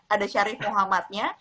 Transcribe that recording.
ada syarif muhammadnya